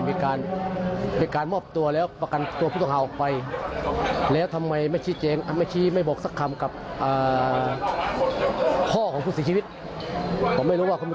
ผมก็ฟังถูกต้อง